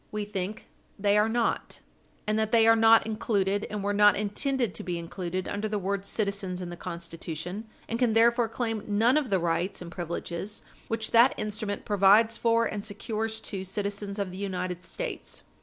We think they are not, and that they are not included, and were not intended to be included, under the word "citizens" in the Constitution, and can therefore claim none of the rights and privileges which that instrument provides for and secures to citizens of the United States.